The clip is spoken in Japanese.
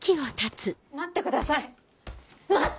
待ってください待って！